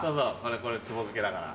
これつぼ漬けだから。